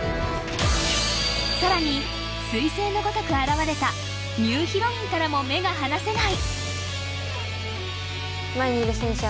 さらに彗星のごとく現れたニューヒロインからも目が離せない。